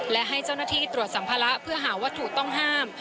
และให้เจ้าหน้าที่ตรวจสัมภาระเพื่อหาวัตถุต้องห้าม